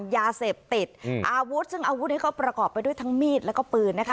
ยาเสพติดอาวุธซึ่งอาวุธนี้ก็ประกอบไปด้วยทั้งมีดแล้วก็ปืนนะคะ